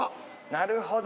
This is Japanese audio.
なるほど。